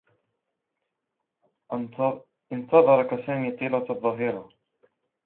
انتظرك سامي طيلة الظّهيرة.